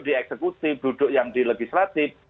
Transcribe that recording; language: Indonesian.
dieksekusi duduk yang di legislatif